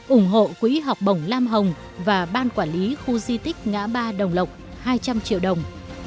ủng hộ quỹ học bổng lam hồng và ban quản lý khu di tích ngã ba đồng lộc hai trăm linh triệu đồng